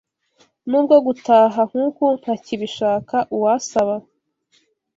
nubwo gutaha nkuku ntakibishaka uwasaba